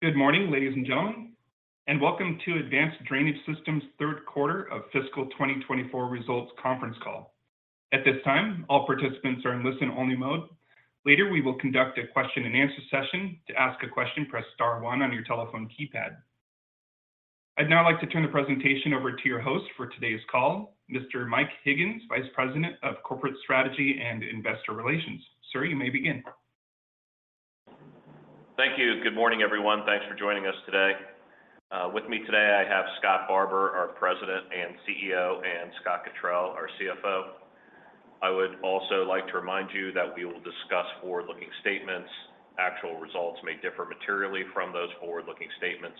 Good morning, ladies and gentlemen, and welcome to Advanced Drainage Systems' third quarter of fiscal 2024 results conference call. At this time, all participants are in listen-only mode. Later, we will conduct a question and answer session. To ask a question, press star one on your telephone keypad. I'd now like to turn the presentation over to your host for today's call, Mr. Mike Higgins, Vice President of Corporate Strategy and Investor Relations. Sir, you may begin. Thank you. Good morning, everyone. Thanks for joining us today. With me today, I have Scott Barbour, our President and CEO, and Scott Cottrill, our CFO. I would also like to remind you that we will discuss forward-looking statements. Actual results may differ materially from those forward-looking statements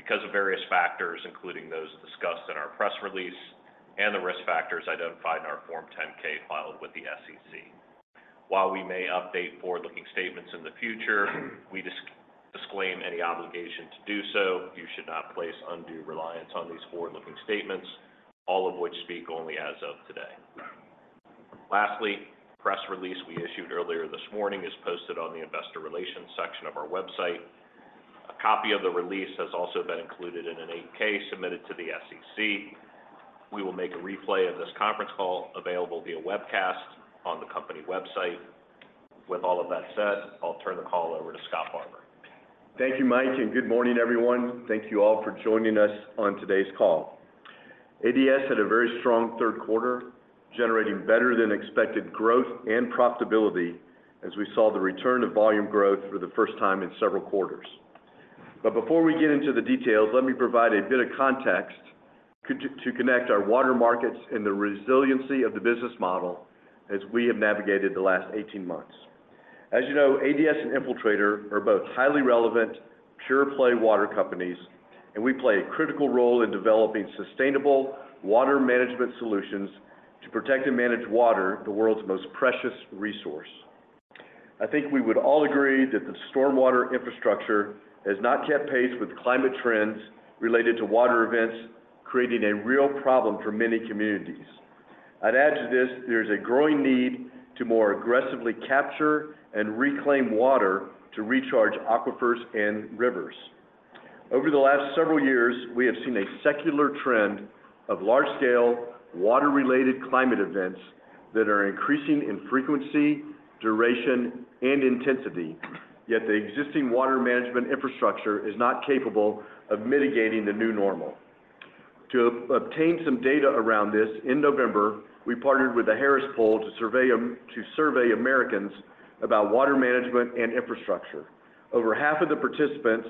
because of various factors, including those discussed in our press release and the risk factors identified in our Form 10-K filed with the SEC. While we may update forward-looking statements in the future, we disclaim any obligation to do so. You should not place undue reliance on these forward-looking statements, all of which speak only as of today. Lastly, the press release we issued earlier this morning is posted on the investor relations section of our website. A copy of the release has also been included in an 8-K submitted to the SEC. We will make a replay of this conference call available via webcast on the company website. With all of that said, I'll turn the call over to Scott Barbour. Thank you, Mike, and good morning, everyone. Thank you all for joining us on today's call. ADS had a very strong third quarter, generating better-than-expected growth and profitability as we saw the return of volume growth for the first time in several quarters. But before we get into the details, let me provide a bit of context to, to connect our water markets and the resiliency of the business model as we have navigated the last 18 months. As you know, ADS and Infiltrator are both highly relevant, pure-play water companies, and we play a critical role in developing sustainable water management solutions to protect and manage water, the world's most precious resource. I think we would all agree that the stormwater infrastructure has not kept pace with climate trends related to water events, creating a real problem for many communities. I'd add to this, there's a growing need to more aggressively capture and reclaim water to recharge aquifers and rivers. Over the last several years, we have seen a secular trend of large-scale, water-related climate events that are increasing in frequency, duration, and intensity. Yet the existing water management infrastructure is not capable of mitigating the new normal. To obtain some data around this, in November, we partnered with the Harris Poll to survey Americans about water management and infrastructure. Over half of the participants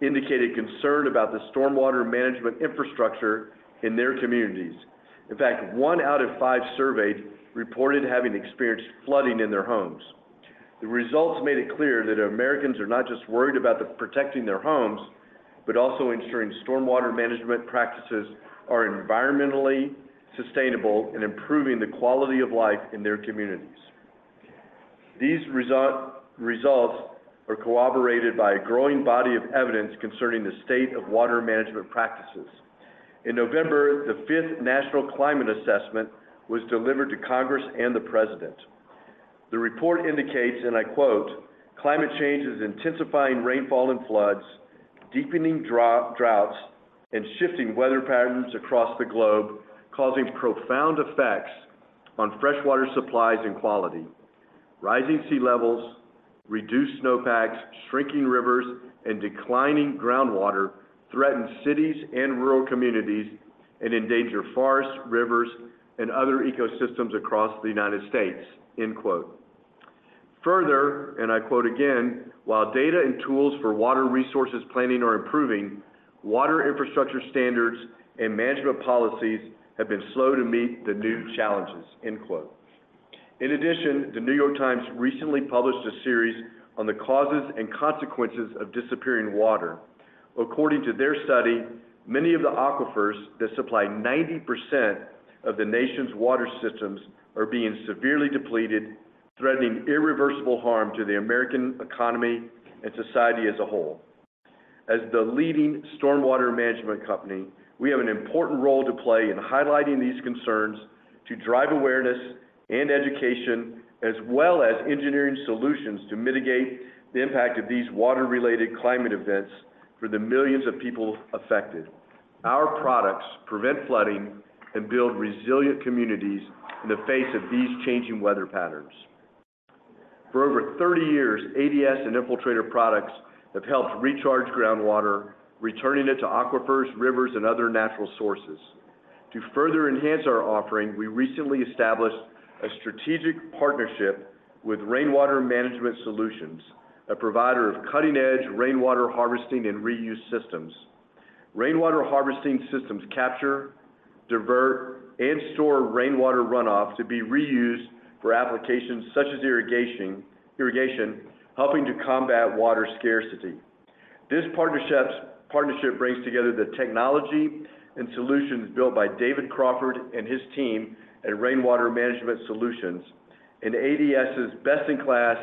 indicated concern about the stormwater management infrastructure in their communities. In fact, one out of five surveyed reported having experienced flooding in their homes. The results made it clear that Americans are not just worried about the protecting their homes, but also ensuring stormwater management practices are environmentally sustainable and improving the quality of life in their communities. These results are corroborated by a growing body of evidence concerning the state of water management practices. In November, the fifth National Climate Assessment was delivered to Congress and the President. The report indicates, and I quote, "Climate change is intensifying rainfall and floods, deepening droughts, and shifting weather patterns across the globe, causing profound effects on freshwater supplies and quality. Rising sea levels, reduced snowpacks, shrinking rivers, and declining groundwater threaten cities and rural communities and endanger forests, rivers, and other ecosystems across the United States." End quote. Further, and I quote again, "While data and tools for water resources planning are improving, water infrastructure standards and management policies have been slow to meet the new challenges." End quote. In addition, The New York Times recently published a series on the causes and consequences of disappearing water. According to their study, many of the aquifers that supply 90% of the nation's water systems are being severely depleted, threatening irreversible harm to the American economy and society as a whole. As the leading stormwater management company, we have an important role to play in highlighting these concerns to drive awareness and education, as well as engineering solutions to mitigate the impact of these water-related climate events for the millions of people affected. Our products prevent flooding and build resilient communities in the face of these changing weather patterns. For over 30 years, ADS and Infiltrator products have helped recharge groundwater, returning it to aquifers, rivers, and other natural sources. To further enhance our offering, we recently established a strategic partnership with Rainwater Management Solutions, a provider of cutting-edge rainwater harvesting and reuse systems. Rainwater harvesting systems capture, divert, and store rainwater runoff to be reused for applications such as irrigation, irrigation, helping to combat water scarcity. This partnership brings together the technology and solutions built by David Crawford and his team at Rainwater Management Solutions and ADS's best-in-class,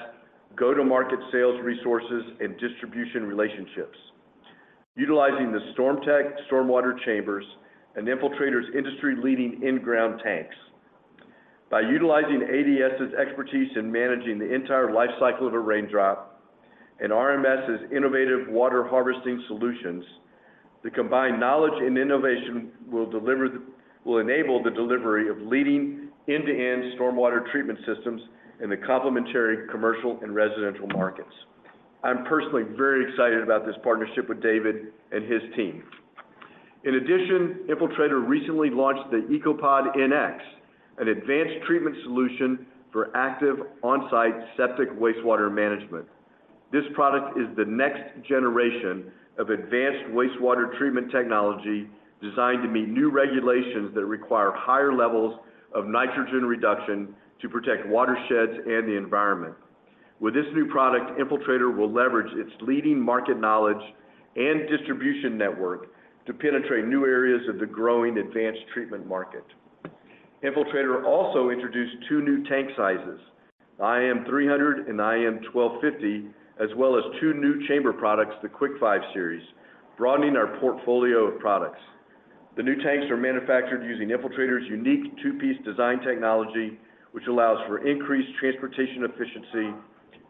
go-to-market sales resources and distribution relationships. Utilizing the StormTech stormwater chambers and Infiltrator's industry-leading in-ground tanks. By utilizing ADS's expertise in managing the entire life cycle of a raindrop and RMS's innovative water harvesting solutions, the combined knowledge and innovation will enable the delivery of leading end-to-end stormwater treatment systems in the complementary commercial and residential markets. I'm personally very excited about this partnership with David and his team. In addition, Infiltrator recently launched the ECOPOD-NX, an advanced treatment solution for active on-site septic wastewater management. This product is the next generation of advanced wastewater treatment technology, designed to meet new regulations that require higher levels of nitrogen reduction to protect watersheds and the environment. With this new product, Infiltrator will leverage its leading market knowledge and distribution network to penetrate new areas of the growing advanced treatment market. Infiltrator also introduced two new tank sizes: IM-300 and IM-1250, as well as two new chamber products, the Quick5 Series, broadening our portfolio of products. The new tanks are manufactured using Infiltrator's unique two-piece design technology, which allows for increased transportation efficiency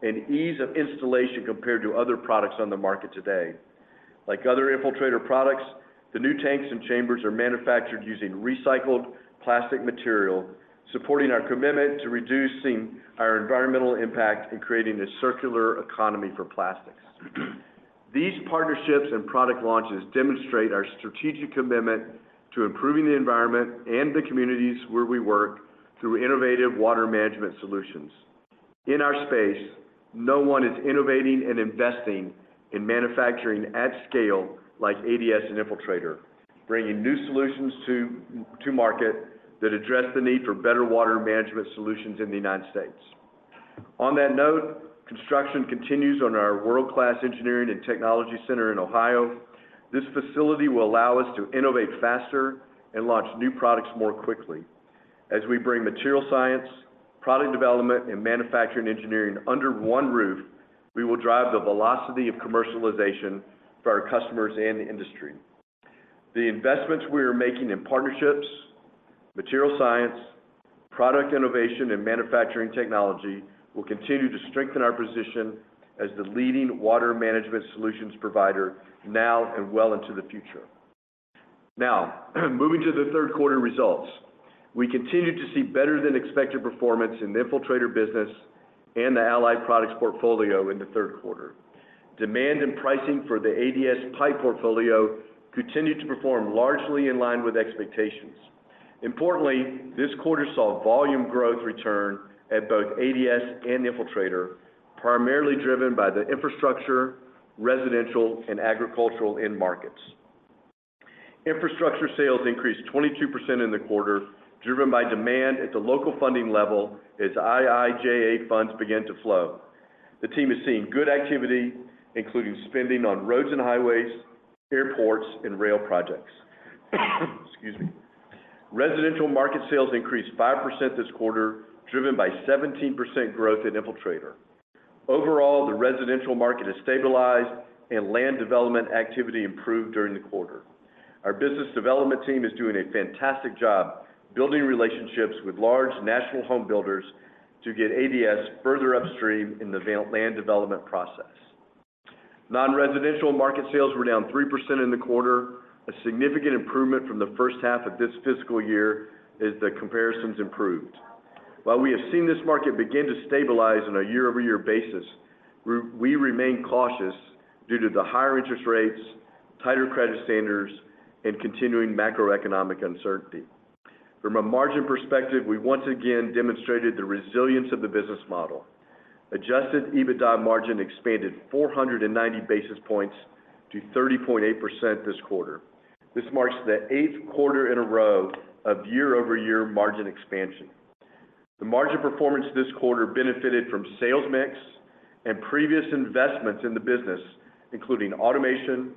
and ease of installation compared to other products on the market today. Like other Infiltrator products, the new tanks and chambers are manufactured using recycled plastic material, supporting our commitment to reducing our environmental impact and creating a circular economy for plastics. These partnerships and product launches demonstrate our strategic commitment to improving the environment and the communities where we work, through innovative water management solutions. In our space, no one is innovating and investing in manufacturing at scale like ADS and Infiltrator, bringing new solutions to market that address the need for better water management solutions in the United States. On that note, construction continues on our world-class engineering and technology center in Ohio. This facility will allow us to innovate faster and launch new products more quickly. As we bring material science, product development, and manufacturing engineering under one roof, we will drive the velocity of commercialization for our customers and the industry. The investments we are making in partnerships, material science, product innovation, and manufacturing technology will continue to strengthen our position as the leading water management solutions provider now and well into the future. Now, moving to the third quarter results. We continued to see better-than-expected performance in the Infiltrator business and the Allied Products portfolio in the third quarter. Demand and pricing for the ADS pipe portfolio continued to perform largely in line with expectations. Importantly, this quarter saw volume growth return at both ADS and Infiltrator, primarily driven by the infrastructure, residential, and agricultural end markets. Infrastructure sales increased 22% in the quarter, driven by demand at the local funding level as IIJA funds begin to flow. The team is seeing good activity, including spending on roads and highways, airports, and rail projects. Excuse me. Residential market sales increased 5% this quarter, driven by 17% growth in Infiltrator. Overall, the residential market has stabilized, and land development activity improved during the quarter. Our business development team is doing a fantastic job building relationships with large national home builders to get ADS further upstream in the value chain and land development process. Non-residential market sales were down 3% in the quarter, a significant improvement from the first half of this fiscal year, as the comparisons improved. While we have seen this market begin to stabilize on a year-over-year basis, we remain cautious due to the higher interest rates, tighter credit standards, and continuing macroeconomic uncertainty. From a margin perspective, we once again demonstrated the resilience of the business model. Adjusted EBITDA margin expanded 490 basis points to 30.8% this quarter. This marks the eighth quarter in a row of year-over-year margin expansion. The margin performance this quarter benefited from sales mix and previous investments in the business, including automation,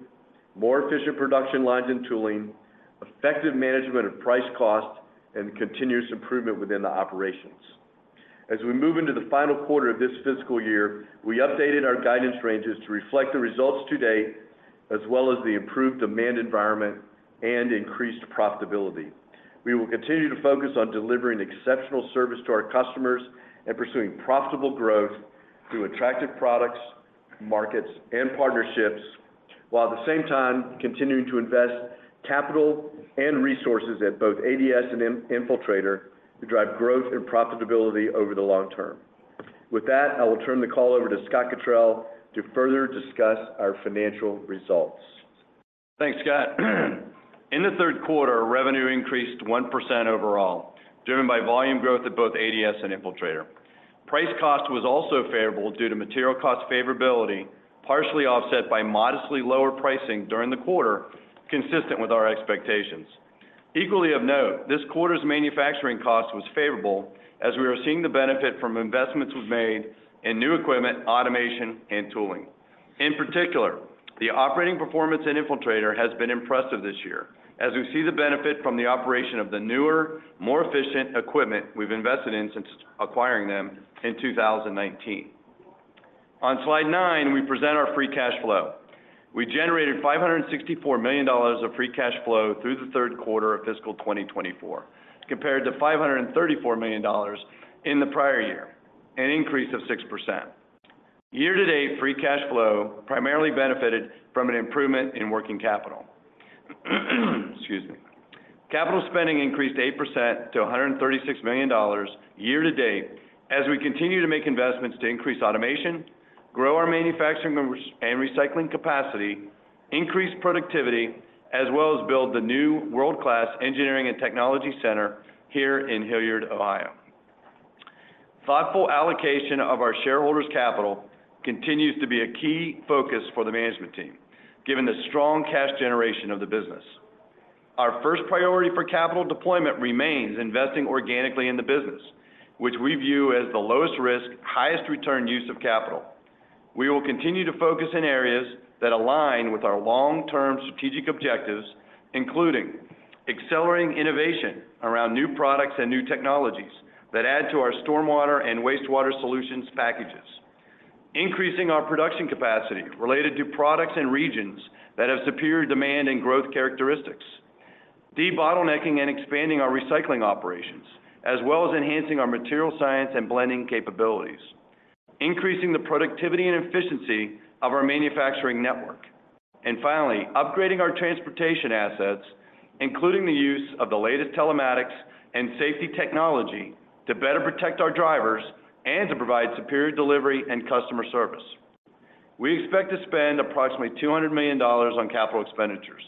more efficient production lines and tooling, effective management of price cost, and continuous improvement within the operations. As we move into the final quarter of this fiscal year, we updated our guidance ranges to reflect the results today, as well as the improved demand environment and increased profitability. We will continue to focus on delivering exceptional service to our customers and pursuing profitable growth through attractive products, markets, and partnerships, while at the same time continuing to invest capital and resources at both ADS and Infiltrator to drive growth and profitability over the long term. With that, I will turn the call over to Scott Cottrill to further discuss our financial results. Thanks, Scott. In the third quarter, revenue increased 1% overall, driven by volume growth at both ADS and Infiltrator. Price cost was also favorable due to material cost favorability, partially offset by modestly lower pricing during the quarter, consistent with our expectations. Equally of note, this quarter's manufacturing cost was favorable, as we are seeing the benefit from investments we've made in new equipment, automation, and tooling. In particular, the operating performance in Infiltrator has been impressive this year, as we see the benefit from the operation of the newer, more efficient equipment we've invested in since acquiring them in 2019.... On slide 9, we present our free cash flow. We generated $564 million of free cash flow through the third quarter of fiscal 2024, compared to $534 million in the prior year, an increase of 6%. Year-to-date, free cash flow primarily benefited from an improvement in working capital. Excuse me. Capital spending increased 8% to $136 million year-to-date, as we continue to make investments to increase automation, grow our manufacturing and recycling capacity, increase productivity, as well as build the new world-class engineering and technology center here in Hilliard, Ohio. Thoughtful allocation of our shareholders' capital continues to be a key focus for the management team, given the strong cash generation of the business. Our first priority for capital deployment remains investing organically in the business, which we view as the lowest risk, highest return use of capital. We will continue to focus in areas that align with our long-term strategic objectives, including accelerating innovation around new products and new technologies that add to our stormwater and wastewater solutions packages. Increasing our production capacity related to products and regions that have superior demand and growth characteristics. De-bottlenecking and expanding our recycling operations, as well as enhancing our material science and blending capabilities. Increasing the productivity and efficiency of our manufacturing network. And finally, upgrading our transportation assets, including the use of the latest telematics and safety technology to better protect our drivers and to provide superior delivery and customer service. We expect to spend approximately $200 million on capital expenditures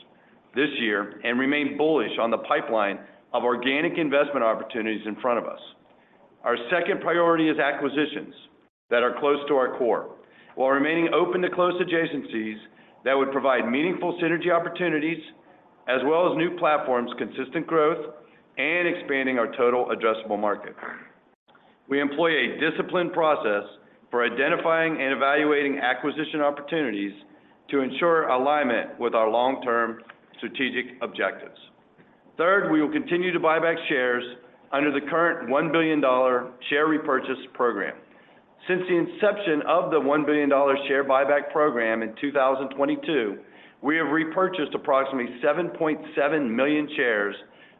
this year and remain bullish on the pipeline of organic investment opportunities in front of us. Our second priority is acquisitions that are close to our core, while remaining open to close adjacencies that would provide meaningful synergy opportunities, as well as new platforms, consistent growth, and expanding our total addressable market. We employ a disciplined process for identifying and evaluating acquisition opportunities to ensure alignment with our long-term strategic objectives. Third, we will continue to buy back shares under the current $1 billion share repurchase program. Since the inception of the $1 billion share buyback program in 2022, we have repurchased approximately 7.7 million shares,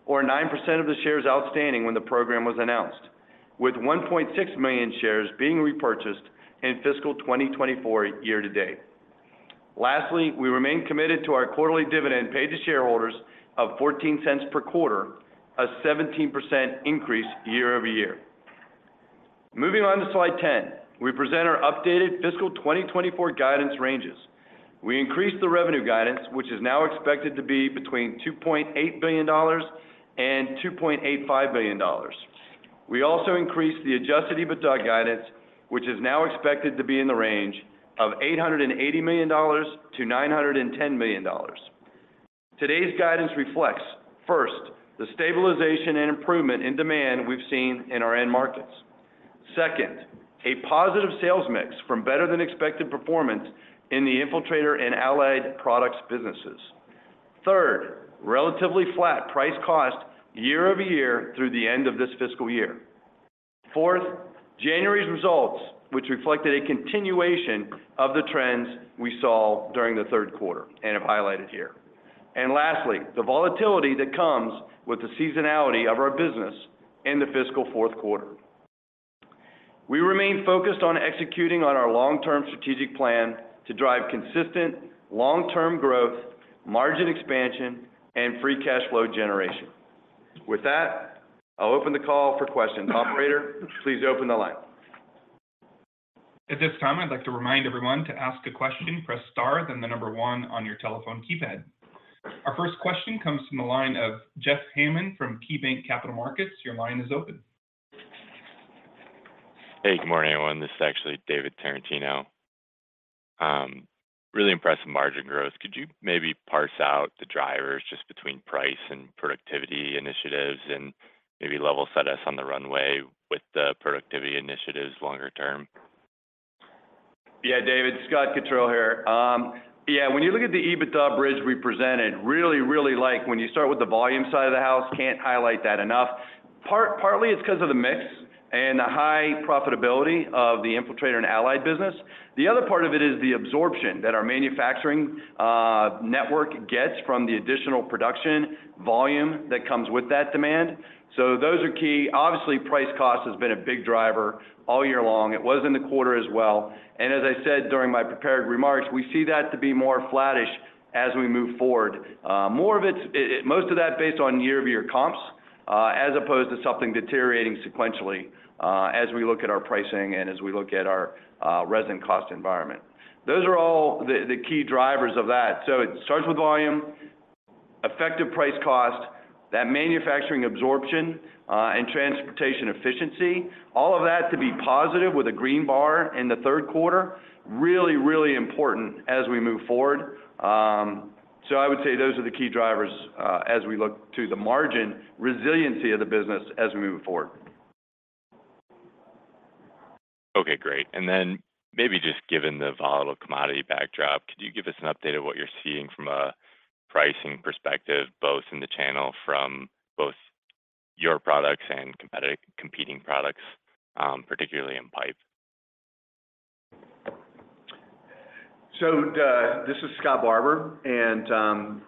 or 9% of the shares outstanding when the program was announced, with 1.6 million shares being repurchased in fiscal 2024, year to date. Lastly, we remain committed to our quarterly dividend paid to shareholders of $0.14 per quarter, a 17% increase year-over-year. Moving on to slide 10, we present our updated fiscal 2024 guidance ranges. We increased the revenue guidance, which is now expected to be between $2.8 billion and $2.85 billion. We also increased the Adjusted EBITDA guidance, which is now expected to be in the range of $880 million-$910 million. Today's guidance reflects, first, the stabilization and improvement in demand we've seen in our end markets. Second, a positive sales mix from better than expected performance in the Infiltrator and allied products businesses. Third, relatively flat price cost year-over-year through the end of this fiscal year. Fourth, January's results, which reflected a continuation of the trends we saw during the third quarter and have highlighted here. And lastly, the volatility that comes with the seasonality of our business in the fiscal fourth quarter. We remain focused on executing on our long-term strategic plan to drive consistent, long-term growth, margin expansion, and free cash flow generation. With that, I'll open the call for questions. Operator, please open the line. At this time, I'd like to remind everyone to ask a question, press star, then the number 1 on your telephone keypad. Our first question comes from the line of Jeff Hammond from KeyBanc Capital Markets. Your line is open. Hey, good morning, everyone. This is actually David Tarantino. Really impressive margin growth. Could you maybe parse out the drivers just between price and productivity initiatives, and maybe level set us on the runway with the productivity initiatives longer term? Yeah, David, Scott Cottrill here. Yeah, when you look at the EBITDA bridge we presented, really, really like when you start with the volume side of the house, can't highlight that enough. Partly, it's because of the mix and the high profitability of the Infiltrator and allied business. The other part of it is the absorption that our manufacturing network gets from the additional production volume that comes with that demand. So those are key. Obviously, price cost has been a big driver all year long. It was in the quarter as well. And as I said during my prepared remarks, we see that to be more flattish as we move forward. More of it is most of that based on year-over-year comps, as opposed to something deteriorating sequentially, as we look at our pricing and as we look at our residential cost environment. Those are all the key drivers of that. So it starts with volume, effective price cost, that manufacturing absorption, and transportation efficiency. All of that to be positive with a green bar in the third quarter, really, really important as we move forward. So I would say those are the key drivers, as we look to the margin resiliency of the business as we move forward. Okay, great. And then maybe just given the volatile commodity backdrop, could you give us an update of what you're seeing from a pricing perspective, both in the channel from both your products and competing products, particularly in pipe? So, this is Scott Barbour. And,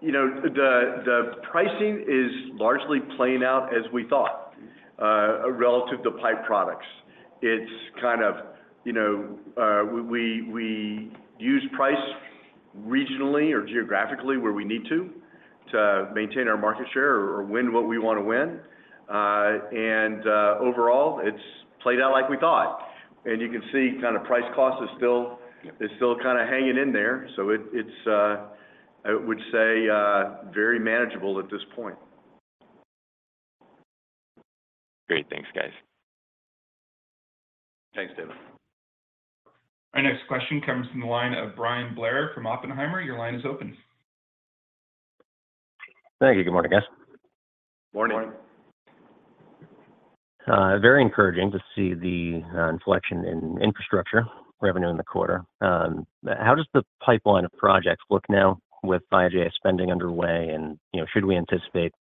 you know, the pricing is largely playing out as we thought, relative to pipe products. It's kind of, you know, we use price regionally or geographically where we need to, to maintain our market share or win what we want to win. And, overall, it's played out like we thought. And you can see kind of price cost is still- is still kind of hanging in there. So it, it's, I would say, very manageable at this point. Great. Thanks, guys. Thanks, David. Our next question comes from the line of Bryan Blair from Oppenheimer. Your line is open. Thank you. Good morning, guys. Morning. Morning. Very encouraging to see the inflection in infrastructure revenue in the quarter. How does the pipeline of projects look now with IIJA spending underway? And, you know, should we anticipate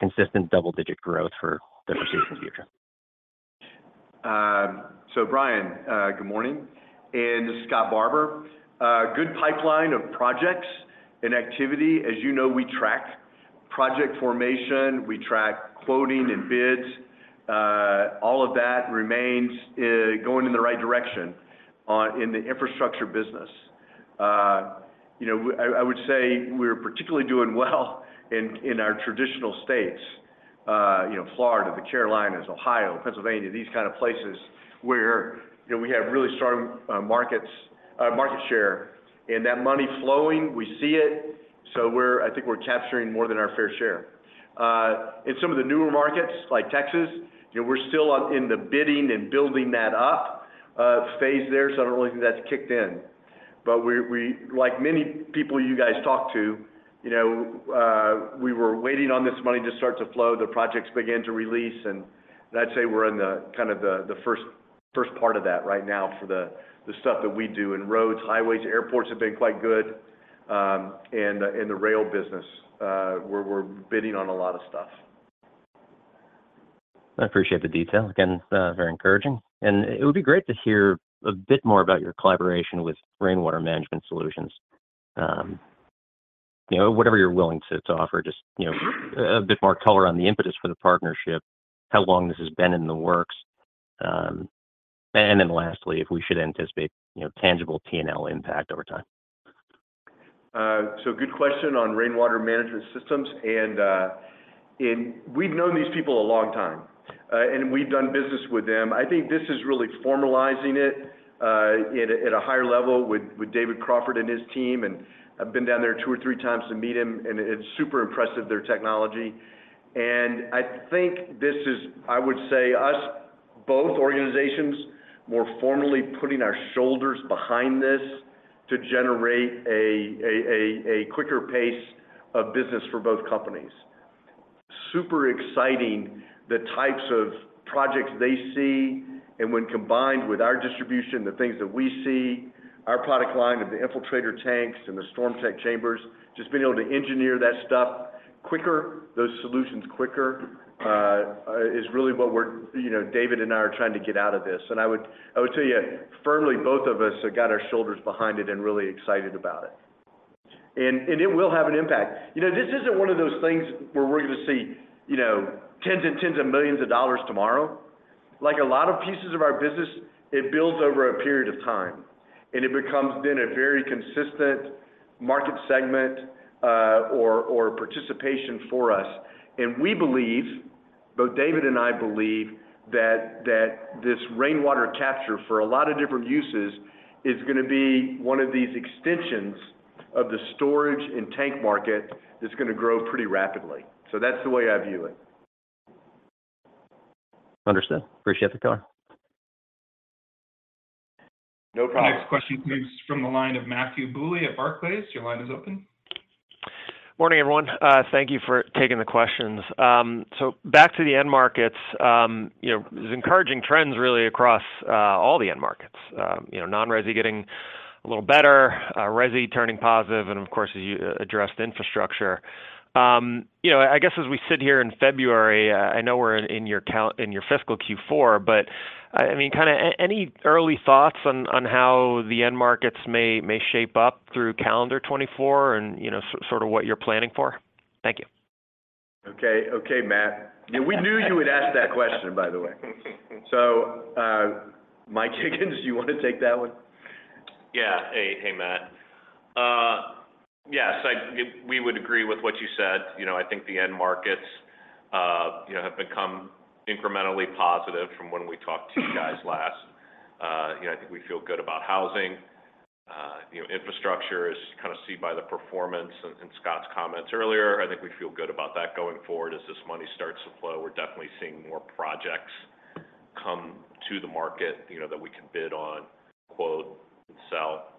consistent double-digit growth for the foreseeable future? So Brian, good morning. And this is Scott Barbour. Good pipeline of projects and activity. As you know, we track project formation, we track quoting and bids. All of that remains going in the right direction in the infrastructure business. You know, I would say we're particularly doing well in our traditional states, you know, Florida, the Carolinas, Ohio, Pennsylvania, these kind of places, where, you know, we have really strong markets, market share. And that money flowing, we see it, so I think we're capturing more than our fair share. In some of the newer markets, like Texas, you know, we're still in the bidding and building that up phase there, so I don't really think that's kicked in. But we like many people you guys talk to, you know, we were waiting on this money to start to flow, the projects began to release, and I'd say we're in the kind of first part of that right now for the stuff that we do in roads, highways, airports have been quite good, and in the rail business, we're bidding on a lot of stuff. I appreciate the detail. Again, very encouraging. It would be great to hear a bit more about your collaboration with Rainwater Management Solutions. You know, whatever you're willing to offer, just, you know, a bit more color on the impetus for the partnership, how long this has been in the works. And then lastly, if we should anticipate, you know, tangible P&L impact over time. Good question on Rainwater Management Solutions, and we've known these people a long time, and we've done business with them. I think this is really formalizing it at a higher level with David Crawford and his team. I've been down there 2 or 3 times to meet him, and it's super impressive, their technology. I think this is, I would say, us, both organizations, more formally putting our shoulders behind this to generate a quicker pace of business for both companies. Super exciting, the types of projects they see, and when combined with our distribution, the things that we see, our product line and the Infiltrator tanks and the StormTech chambers, just being able to engineer that stuff quicker, those solutions quicker, is really what we're, you know, David and I are trying to get out of this. And I would, I would tell you, firmly, both of us have got our shoulders behind it and really excited about it. And it will have an impact. You know, this isn't one of those things where we're going to see, you know, $10s and $10s of millions tomorrow. Like a lot of pieces of our business, it builds over a period of time, and it becomes then a very consistent market segment, or participation for us. We believe, both David and I believe, that this rainwater capture for a lot of different uses is going to be one of these extensions of the storage and tank market that's going to grow pretty rapidly. So that's the way I view it. Understood. Appreciate the time. No problem. Next question comes from the line of Matthew Bouley at Barclays. Your line is open. Morning, everyone. Thank you for taking the questions. So back to the end markets, you know, there's encouraging trends really across all the end markets. You know, non-resi getting a little better, resi turning positive, and of course, you addressed infrastructure. You know, I guess as we sit here in February, I know we're in your fiscal Q4, but I mean, kind of any early thoughts on how the end markets may shape up through calendar 2024 and, you know, sort of what you're planning for? Thank you. Okay. Okay, Matt. We knew you would ask that question, by the way. So, Mike Higgins, you want to take that one? Yeah. Hey, hey, Matt. Yes, we would agree with what you said. You know, I think the end markets, you know, have become incrementally positive from when we talked to you guys last. You know, I think we feel good about housing. You know, infrastructure is kind of seen by the performance and, and Scott's comments earlier. I think we feel good about that going forward. As this money starts to flow, we're definitely seeing more projects come to the market, you know, that we can bid on, quote, and sell.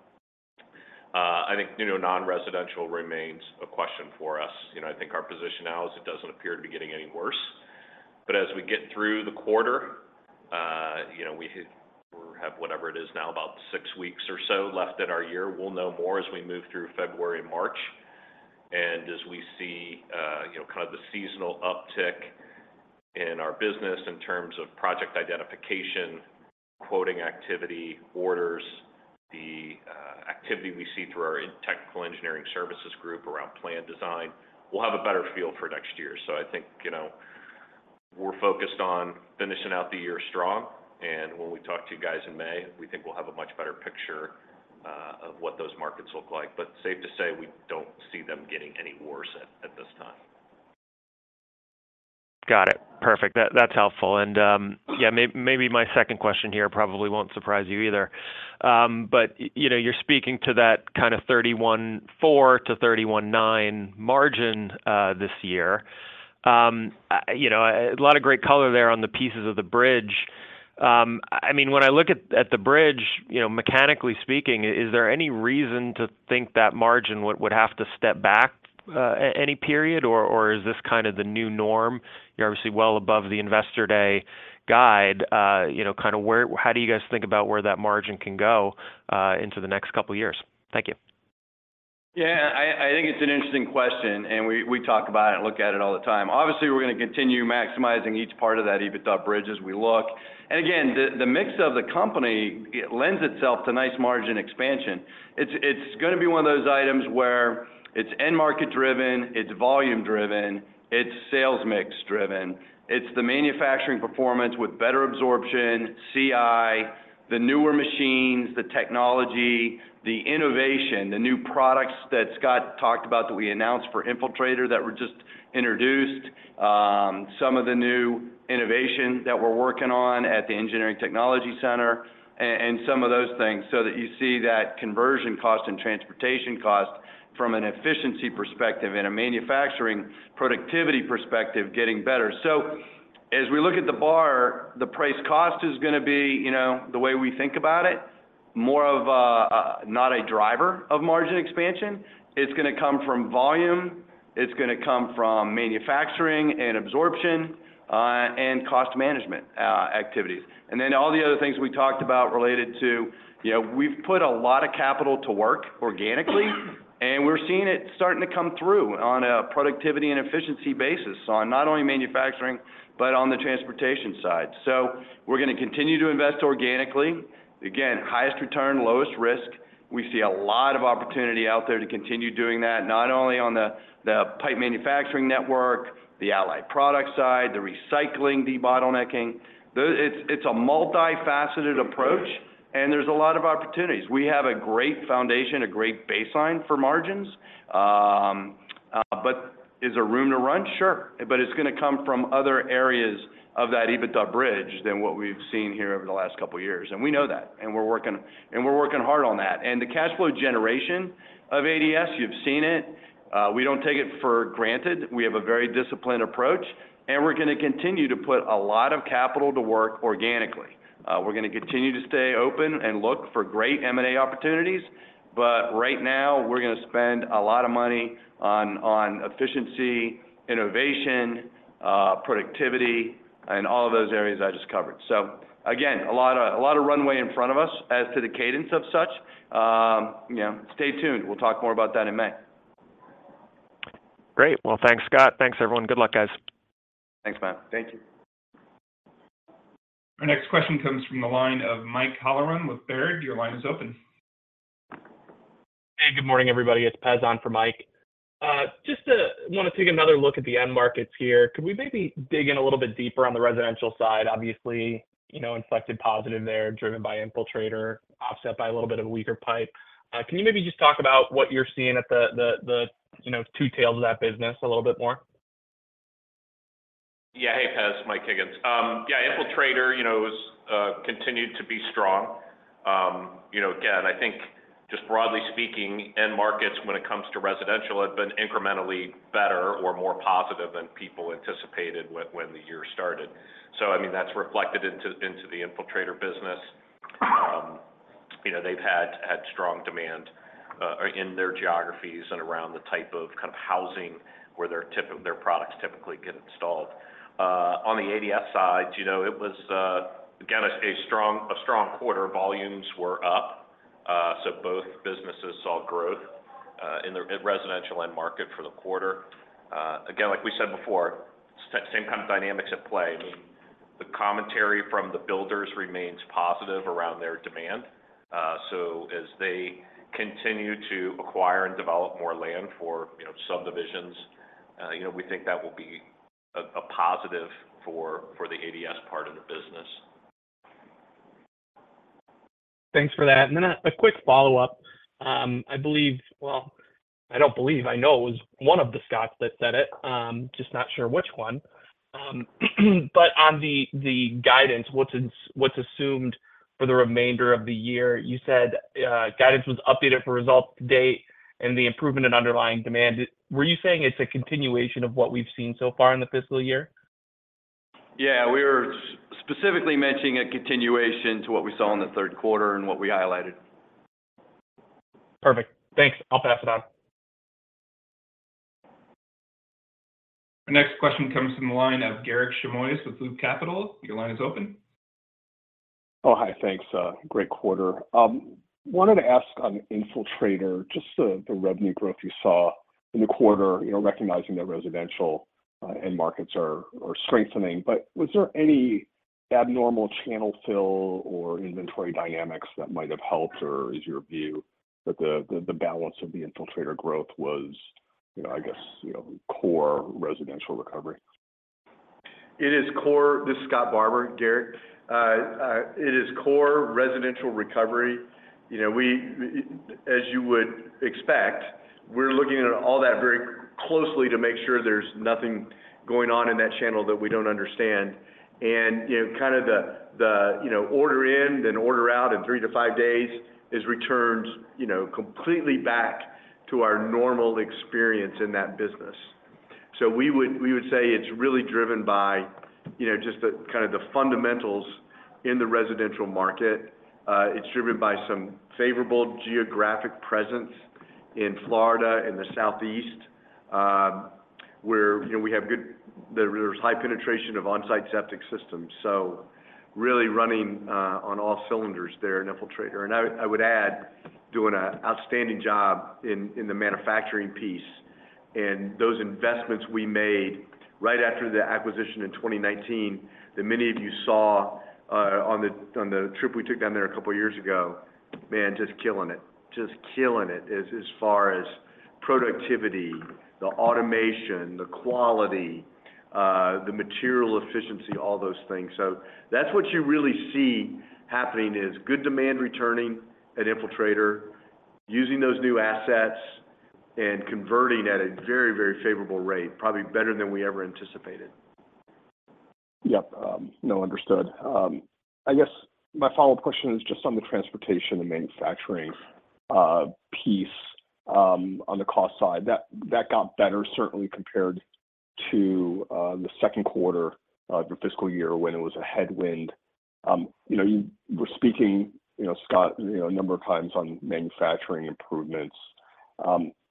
I think, you know, non-residential remains a question for us. You know, I think our position now is it doesn't appear to be getting any worse, but as we get through the quarter, you know, we have whatever it is now, about six weeks or so left in our year. We'll know more as we move through February and March, and as we see, you know, kind of the seasonal uptick in our business in terms of project identification, quoting activity, orders, the activity we see through our technical engineering services group around plan design. We'll have a better feel for next year. So I think, you know, we're focused on finishing out the year strong, and when we talk to you guys in May, we think we'll have a much better picture of what those markets look like. But safe to say, we don't see them getting any worse at this time. Got it. Perfect. That, that's helpful. And, yeah, maybe my second question here probably won't surprise you either. But you know, you're speaking to that kind of 31.4%-31.9% margin this year. You know, a lot of great color there on the pieces of the bridge. I mean, when I look at the bridge, you know, mechanically speaking, is there any reason to think that margin would have to step back any period, or is this kind of the new norm? You're obviously well above the investor day guide. You know, kind of where, how do you guys think about where that margin can go into the next couple of years? Thank you. Yeah, I think it's an interesting question, and we talk about it and look at it all the time. Obviously, we're gonna continue maximizing each part of that EBITDA bridge as we look. And again, the mix of the company, it lends itself to nice margin expansion. It's gonna be one of those items where it's end-market driven, it's volume driven, it's sales mix driven, it's the manufacturing performance with better absorption, CI, the newer machines, the technology, the innovation, the new products that Scott talked about that we announced for Infiltrator that were just introduced. Some of the new innovation that we're working on at the Engineering Technology Center, and some of those things, so that you see that conversion cost and transportation cost from an efficiency perspective and a manufacturing productivity perspective, getting better. So as we look at the bar, the price cost is gonna be, you know, the way we think about it, more of a not a driver of margin expansion. It's gonna come from volume, it's gonna come from manufacturing and absorption, and cost management activities. And then, all the other things we talked about related to, you know, we've put a lot of capital to work organically, and we're seeing it starting to come through on a productivity and efficiency basis. So on not only manufacturing, but on the transportation side. So we're gonna continue to invest organically. Again, highest return, lowest risk. We see a lot of opportunity out there to continue doing that, not only on the pipe manufacturing network, the allied product side, the recycling, debottlenecking. It's a multifaceted approach, and there's a lot of opportunities. We have a great foundation, a great baseline for margins. But is there room to run? Sure. But it's gonna come from other areas of that EBITDA bridge than what we've seen here over the last couple of years, and we know that, and we're working, and we're working hard on that. The cash flow generation of ADS, you've seen it. We don't take it for granted. We have a very disciplined approach, and we're gonna continue to put a lot of capital to work organically. We're gonna continue to stay open and look for great M&A opportunities, but right now, we're gonna spend a lot of money on, on efficiency, innovation, productivity, and all of those areas I just covered. So again, a lot of, a lot of runway in front of us. As to the cadence of such, you know, stay tuned. We'll talk more about that in May. Great. Well, thanks, Scott. Thanks, everyone. Good luck, guys. Thanks, Matt. Thank you. Our next question comes from the line of Mike Halloran with Baird. Your line is open. Hey, good morning, everybody. It's Pez on for Mike. Just to wanna take another look at the end markets here. Could we maybe dig in a little bit deeper on the residential side? Obviously, you know, inflected positive there, driven by Infiltrator, offset by a little bit of a weaker pipe. Can you maybe just talk about what you're seeing at the you know two tails of that business a little bit more? Yeah. Hey, Pez, Mike Higgins. Yeah, Infiltrator, you know, is continued to be strong. You know, again, I think just broadly speaking, end markets, when it comes to residential, have been incrementally better or more positive than people anticipated when the year started. So I mean, that's reflected into the Infiltrator business. You know, they've had strong demand in their geographies and around the type of kind of housing where their products typically get installed. On the ADS side, you know, it was again a strong quarter. Volumes were up, so both businesses saw growth in the residential end market for the quarter. Again, like we said before, same kind of dynamics at play. I mean, the commentary from the builders remains positive around their demand. So as they continue to acquire and develop more land for, you know, subdivisions, you know, we think that will be a positive for the ADS part of the business. Thanks for that. And then, a quick follow-up. I believe... Well, I don't believe, I know it was one of the Scotts that said it, just not sure which one. But on the guidance, what's assumed for the remainder of the year? You said guidance was updated for results to date and the improvement in underlying demand. Were you saying it's a continuation of what we've seen so far in the fiscal year? Yeah, we were specifically mentioning a continuation to what we saw in the third quarter and what we highlighted.... Perfect. Thanks. I'll pass it on. Our next question comes from the line of Garik Shmois with Loop Capital. Your line is open. Oh, hi. Thanks, great quarter. Wanted to ask on Infiltrator, just the revenue growth you saw in the quarter, you know, recognizing that residential end markets are strengthening. But was there any abnormal channel fill or inventory dynamics that might have helped? Or is your view that the balance of the Infiltrator growth was, you know, I guess, you know, core residential recovery? It is core. This is Scott Barbour, Garrick. It is core residential recovery. You know, as you would expect, we're looking at all that very closely to make sure there's nothing going on in that channel that we don't understand. And, you know, kind of the order in, then order out in 3-5 days, has returned, you know, completely back to our normal experience in that business. So we would say it's really driven by, you know, just the fundamentals in the residential market. It's driven by some favorable geographic presence in Florida, in the Southeast, where, you know, we have good, there's high penetration of on-site septic systems. So really running on all cylinders there in Infiltrator. And I would add, doing a outstanding job in the manufacturing piece. Those investments we made right after the acquisition in 2019, that many of you saw on the trip we took down there a couple of years ago, man, just killing it. Just killing it, as far as productivity, the automation, the quality, the material efficiency, all those things. So that's what you really see happening, is good demand returning at Infiltrator, using those new assets and converting at a very, very favorable rate, probably better than we ever anticipated. Yep. No, understood. I guess my follow-up question is just on the transportation and manufacturing piece on the cost side. That, that got better, certainly, compared to the second quarter of the fiscal year when it was a headwind. You know, you were speaking, you know, Scott, you know, a number of times on manufacturing improvements.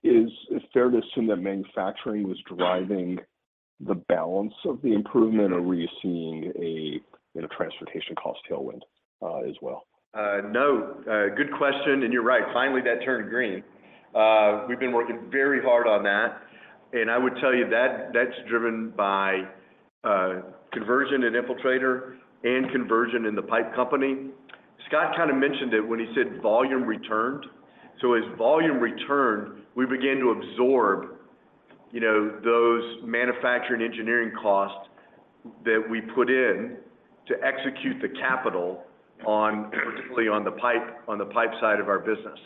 Is it fair to assume that manufacturing was driving the balance of the improvement, or were you seeing a, you know, transportation cost tailwind as well? No. Good question, and you're right. Finally, that turned green. We've been working very hard on that, and I would tell you that that's driven by, conversion in Infiltrator and conversion in the pipe company. Scott kind of mentioned it when he said volume returned. So as volume returned, we began to absorb, you know, those manufacturing engineering costs that we put in to execute the capital on, particularly on the pipe- on the pipe side of our business.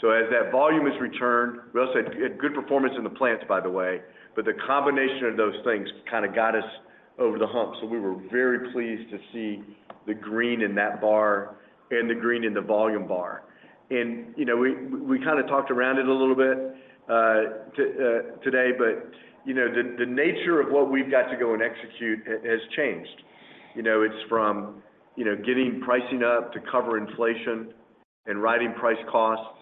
So as that volume is returned, we also had good performance in the plants, by the way, but the combination of those things kind of got us over the hump. So we were very pleased to see the green in that bar and the green in the volume bar. And, you know, we kind of talked around it a little bit to today, but, you know, the nature of what we've got to go and execute has changed. You know, it's from, you know, getting pricing up to cover inflation and riding price costs.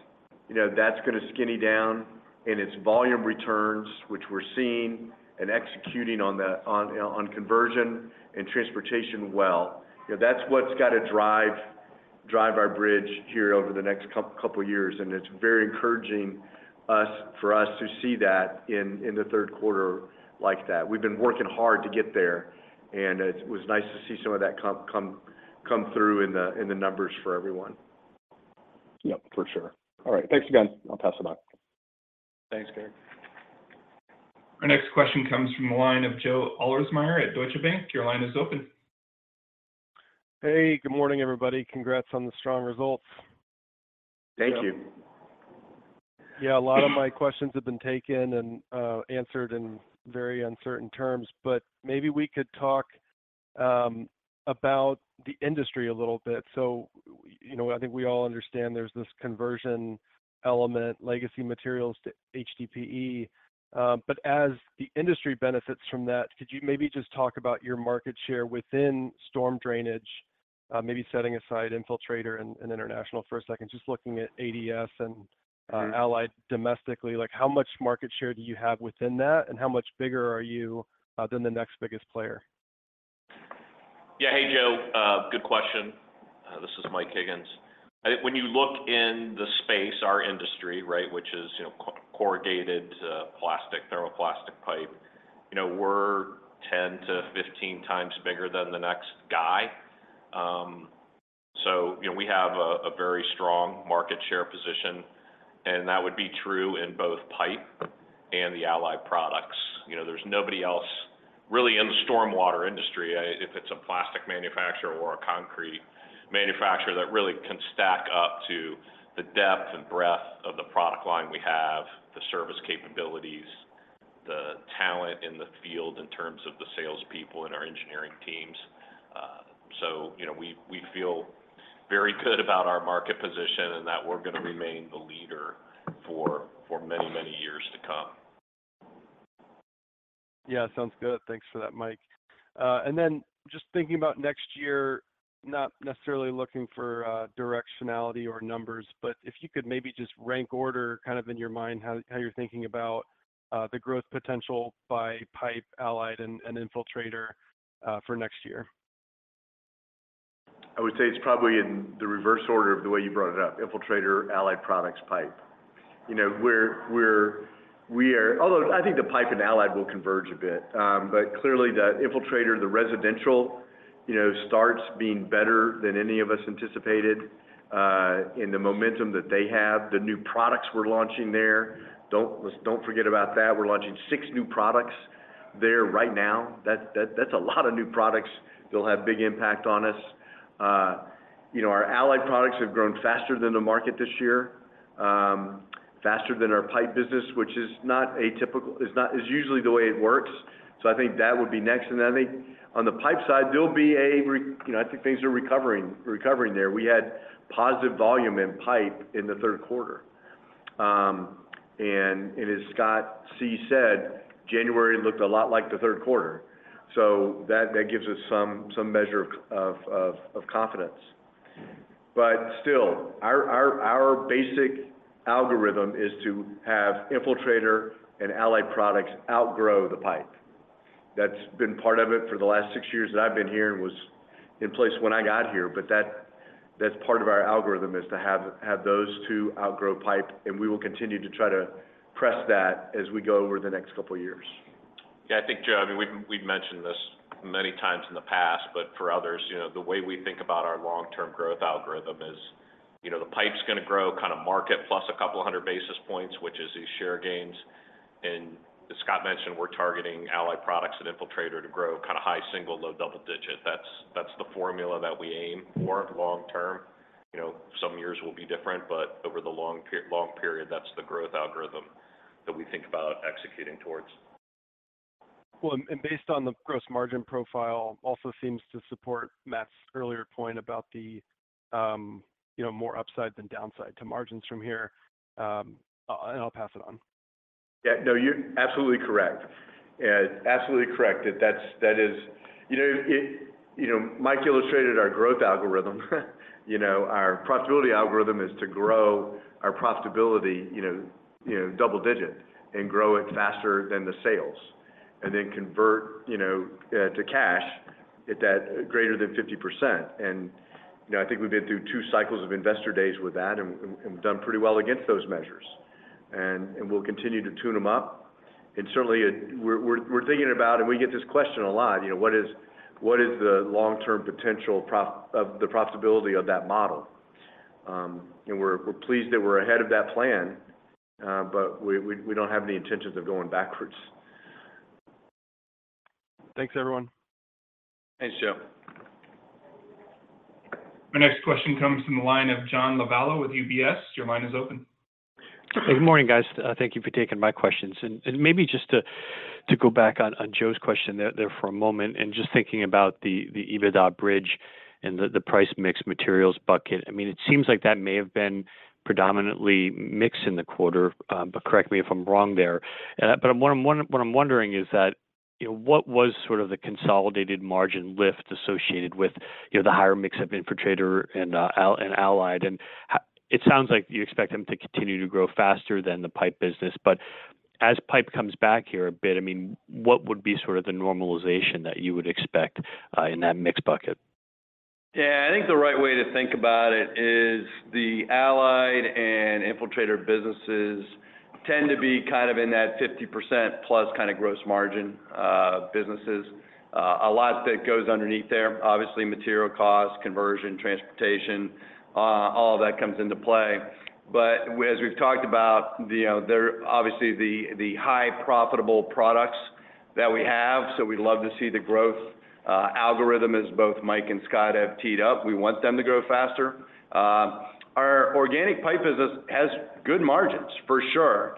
You know, that's gonna skinny down, and it's volume returns, which we're seeing and executing on the conversion and transportation well. You know, that's what's got to drive our bridge here over the next couple of years, and it's very encouraging for us to see that in the third quarter like that. We've been working hard to get there, and it was nice to see some of that come through in the numbers for everyone. Yep, for sure. All right. Thanks again. I'll pass it on. Thanks, Garrick. Our next question comes from the line of Joe Ahlersmeyer at Deutsche Bank. Your line is open. Hey, good morning, everybody. Congrats on the strong results. Thank you. Yeah, a lot of my questions have been taken and answered in very uncertain terms, but maybe we could talk about the industry a little bit. So, you know, I think we all understand there's this conversion element, legacy materials to HDPE, but as the industry benefits from that, could you maybe just talk about your market share within storm drainage? Maybe setting aside Infiltrator and international for a second, just looking at ADS and Allied domestically, like, how much market share do you have within that, and how much bigger are you than the next biggest player? Yeah. Hey, Joe, good question. This is Mike Higgins. When you look in the space, our industry, right, which is, you know, corrugated, plastic, thermoplastic pipe, you know, we're 10-15 times bigger than the next guy. So, you know, we have a very strong market share position, and that would be true in both pipe and the allied products. You know, there's nobody else really in the stormwater industry, if it's a plastic manufacturer or a concrete manufacturer, that really can stack up to the depth and breadth of the product line we have, the service capabilities, the talent in the field in terms of the salespeople and our engineering teams. So, you know, we feel very good about our market position and that we're gonna remain the leader for many, many years to come.... Yeah, sounds good. Thanks for that, Mike. And then just thinking about next year, not necessarily looking for directionality or numbers, but if you could maybe just rank order kind of in your mind, how you're thinking about the growth potential by Pipe, Allied, and Infiltrator for next year? I would say it's probably in the reverse order of the way you brought it up: Infiltrator, allied products, pipe. You know, we're. Although I think the pipe and allied will converge a bit. But clearly, the Infiltrator, the residential, you know, starts being better than any of us anticipated in the momentum that they have. The new products we're launching there, don't forget about that. We're launching six new products there right now. That's a lot of new products. They'll have big impact on us. You know, our allied products have grown faster than the market this year, faster than our pipe business, which is not typical, is usually the way it works. So I think that would be next. And then, I think on the pipe side, there'll be a— You know, I think things are recovering there. We had positive volume in pipe in the third quarter. And as Scott C. said, January looked a lot like the third quarter, so that gives us some measure of confidence. But still, our basic algorithm is to have Infiltrator and allied products outgrow the pipe. That's been part of it for the last six years that I've been here, and was in place when I got here. But that's part of our algorithm, is to have those two outgrow pipe, and we will continue to try to press that as we go over the next couple of years. Yeah, I think, Joe, I mean, we've, we've mentioned this many times in the past, but for others, you know, the way we think about our long-term growth algorithm is, you know, the pipe's gonna grow, kind of market plus 200 basis points, which is these share gains. And as Scott mentioned, we're targeting allied products and Infiltrator to grow kind of high single, low double digit. That's, that's the formula that we aim for long term. You know, some years will be different, but over the long period, that's the growth algorithm that we think about executing towards. Well, and based on the gross margin profile, also seems to support Matt's earlier point about the, you know, more upside than downside to margins from here. And I'll pass it on. Yeah, no, you're absolutely correct. Yeah, absolutely correct. That, that's, that is... You know, Mike illustrated our growth algorithm. You know, our profitability algorithm is to grow our profitability, you know, you know, double-digit, and grow it faster than the sales, and then convert, you know, to cash at that greater than 50%. And, you know, I think we've been through two cycles of investor days with that, and, and we've done pretty well against those measures. And, and we'll continue to tune them up. And certainly, it-- we're thinking about, and we get this question a lot, you know, what is, what is the long-term potential of the profitability of that model? And we're pleased that we're ahead of that plan, but we, we, we don't have any intentions of going backwards. Thanks, everyone. Thanks, Joe. The next question comes from the line of John Lovallo with UBS. Your line is open. Good morning, guys. Thank you for taking my questions. Maybe just to go back on Joe's question there for a moment, and just thinking about the EBITDA bridge and the price mix materials bucket. I mean, it seems like that may have been predominantly mixed in the quarter, but correct me if I'm wrong there. But what I'm wondering is that, you know, what was sort of the consolidated margin lift associated with, you know, the higher mix of Infiltrator and allied? And it sounds like you expect them to continue to grow faster than the pipe business. But as pipe comes back here a bit, I mean, what would be sort of the normalization that you would expect in that mix bucket? Yeah, I think the right way to think about it is the Allied and Infiltrator businesses tend to be kind of in that 50%+ kind of gross margin businesses. A lot that goes underneath there, obviously, material cost, conversion, transportation, all of that comes into play. But as we've talked about, you know, they're obviously the high profitable products that we have, so we'd love to see the growth algorithm, as both Mike and Scott have teed up. We want them to grow faster. Our organic pipe business has good margins, for sure.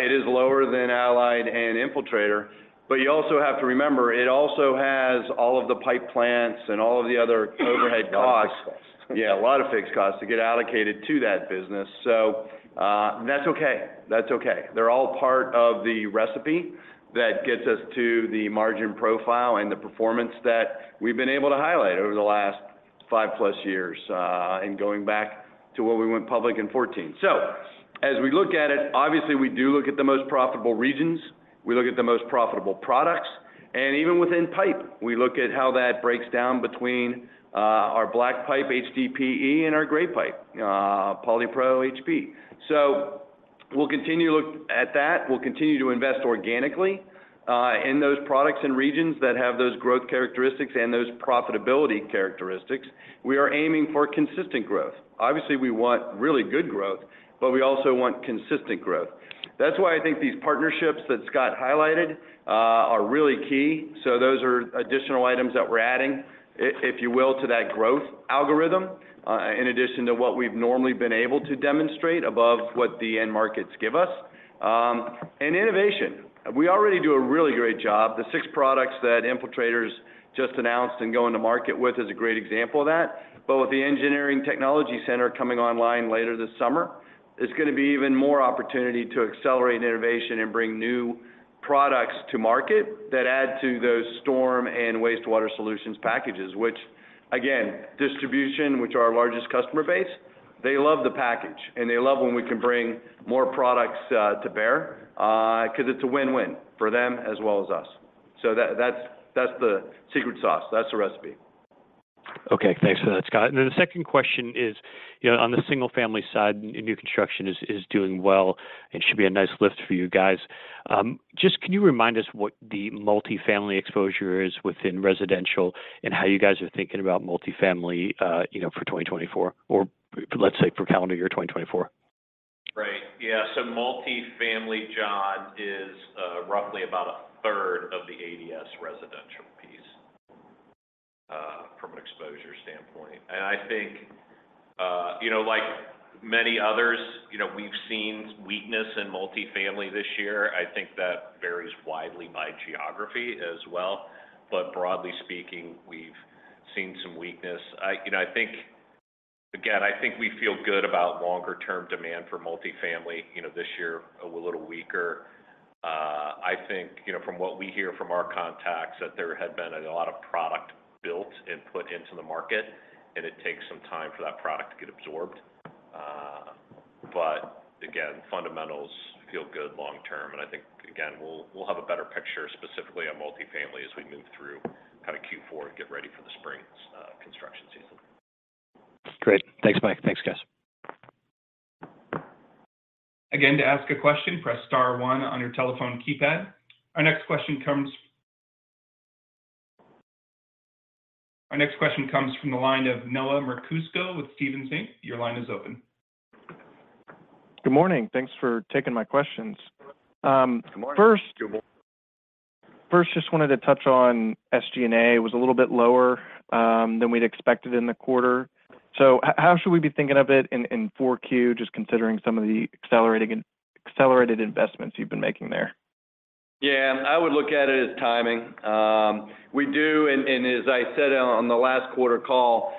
It is lower than Allied and Infiltrator, but you also have to remember, it also has all of the pipe plants and all of the other overhead costs. Fixed costs. Yeah, a lot of fixed costs to get allocated to that business. So, that's okay. That's okay. They're all part of the recipe that gets us to the margin profile and the performance that we've been able to highlight over the last five-plus years, and going back to when we went public in 2014. So as we look at it, obviously, we do look at the most profitable regions, we look at the most profitable products. And even within pipe, we look at how that breaks down between, our black pipe, HDPE, and our gray pipe, PolyPro HP. So we'll continue to look at that. We'll continue to invest organically, in those products and regions that have those growth characteristics and those profitability characteristics. We are aiming for consistent growth. Obviously, we want really good growth, but we also want consistent growth. That's why I think these partnerships that Scott highlighted are really key. So those are additional items that we're adding, if you will, to that growth algorithm, in addition to what we've normally been able to demonstrate above what the end markets give us. And innovation. We already do a really great job. The six products that Infiltrator just announced and go into market with is a great example of that. But with the Engineering and Technology Center coming online later this summer, it's gonna be even more opportunity to accelerate innovation and bring new products to market that add to those storm and wastewater solutions packages, which-... Again, distribution, which our largest customer base, they love the package, and they love when we can bring more products to bear, 'cause it's a win-win for them as well as us. So that, that's, that's the secret sauce. That's the recipe. Okay, thanks for that, Scott. And then the second question is, you know, on the single-family side, new construction is doing well and should be a nice lift for you guys. Just can you remind us what the multifamily exposure is within residential, and how you guys are thinking about multifamily, you know, for 2024, or let's say for calendar year 2024? Right. Yeah. So multifamily, John, is roughly about a third of the ADS residential piece from an exposure standpoint. And I think, you know, like many others, you know, we've seen weakness in multifamily this year. I think that varies widely by geography as well, but broadly speaking, we've seen some weakness. You know, I think, again, I think we feel good about longer term demand for multifamily, you know, this year, a little weaker. I think, you know, from what we hear from our contacts, that there had been a lot of product built and put into the market, and it takes some time for that product to get absorbed. But again, fundamentals feel good long term, and I think, again, we'll have a better picture, specifically on multifamily as we move through kind of Q4 and get ready for the spring construction season. Great. Thanks, Mike. Thanks, guys. Again, to ask a question, press star one on your telephone keypad. Our next question comes from the line of Noah Merkousko with Stephens Inc. Your line is open. Good morning. Thanks for taking my questions. Good morning. First, just wanted to touch on SG&A was a little bit lower than we'd expected in the quarter. So how should we be thinking of it in Q4, just considering some of the accelerating, accelerated investments you've been making there? Yeah, I would look at it as timing. We do, and, and as I said on the last quarter call,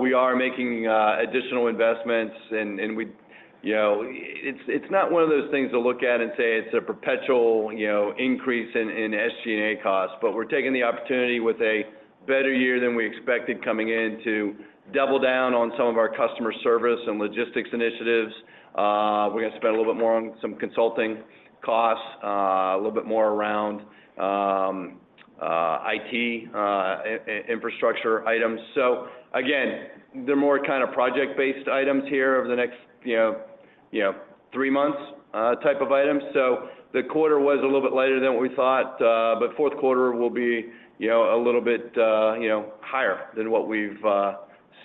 we are making additional investments, and, and we—you know, it's, it's not one of those things to look at and say it's a perpetual, you know, increase in, in SG&A costs, but we're taking the opportunity with a better year than we expected coming in to double down on some of our customer service and logistics initiatives. We're gonna spend a little bit more on some consulting costs, a little bit more around IT infrastructure items. So again, they're more kind of project-based items here over the next, you know, you know, three months, type of items. So the quarter was a little bit later than what we thought, but fourth quarter will be, you know, a little bit, you know, higher than what we've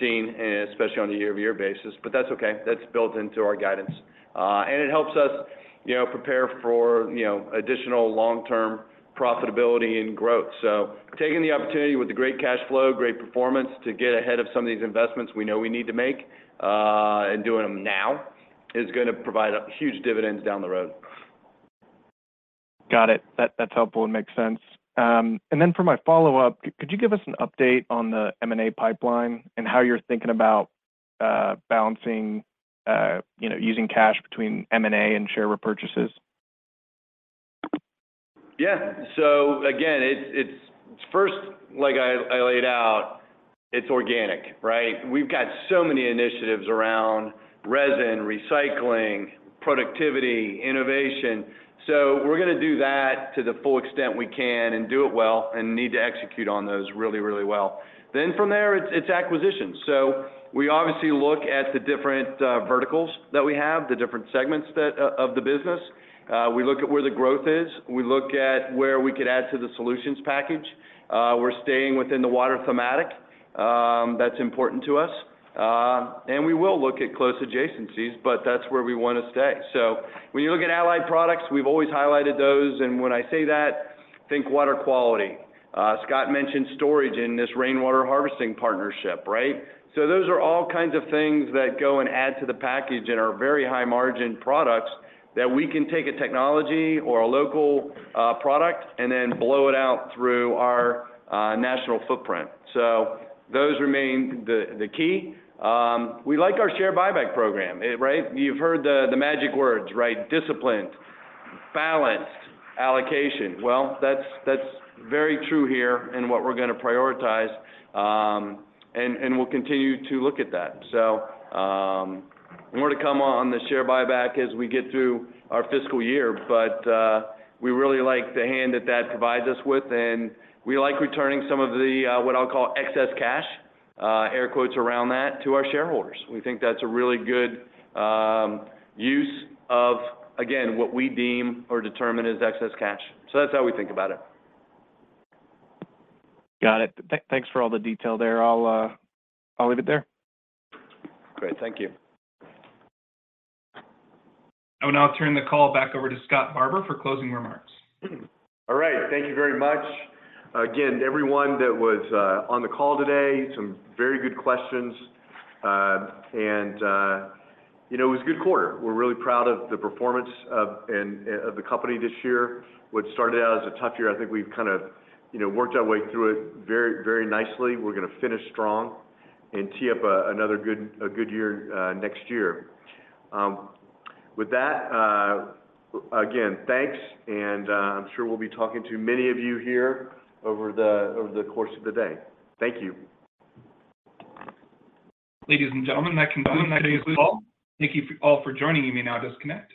seen, especially on a year-over-year basis. But that's okay. That's built into our guidance. And it helps us, you know, prepare for, you know, additional long-term profitability and growth. So taking the opportunity with the great cash flow, great performance to get ahead of some of these investments we know we need to make, and doing them now, is gonna provide huge dividends down the road. Got it. That's helpful and makes sense. And then for my follow-up, could you give us an update on the M&A pipeline and how you're thinking about, you know, using cash between M&A and share repurchases? Yeah. So again, it's first, like I laid out, it's organic, right? We've got so many initiatives around resin, recycling, productivity, innovation. So we're gonna do that to the full extent we can and do it well and need to execute on those really, really well. Then from there, it's acquisition. So we obviously look at the different verticals that we have, the different segments that of the business. We look at where the growth is, we look at where we could add to the solutions package. We're staying within the water thematic, that's important to us. And we will look at close adjacencies, but that's where we wanna stay. So when you look at allied products, we've always highlighted those, and when I say that, think water quality. Scott mentioned storage in this rainwater harvesting partnership, right? So those are all kinds of things that go and add to the package and are very high-margin products, that we can take a technology or a local product and then blow it out through our national footprint. So those remain the key. We like our share buyback program, right? You've heard the magic words, right? Disciplined, balanced, allocation. Well, that's very true here in what we're gonna prioritize, and we'll continue to look at that. So, more to come on the share buyback as we get through our fiscal year, but we really like the hand that that provides us with, and we like returning some of the what I'll call excess cash, air quotes around that, to our shareholders. We think that's a really good use of, again, what we deem or determine as excess cash. So that's how we think about it. Got it. Thanks for all the detail there. I'll, I'll leave it there. Great. Thank you. I will now turn the call back over to Scott Barbour for closing remarks. All right. Thank you very much. Again, everyone that was on the call today. Some very good questions. You know, it was a good quarter. We're really proud of the performance of the company this year. What started out as a tough year, I think we've kind of, you know, worked our way through it very, very nicely. We're gonna finish strong and tee up another good year next year. With that, again, thanks, and I'm sure we'll be talking to many of you here over the course of the day. Thank you. Ladies and gentlemen, that concludes today's call. Thank you all for joining. You may now disconnect.